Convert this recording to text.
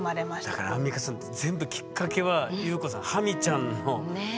だからアンミカさん全部きっかけは裕子さんハミちゃんの。ね！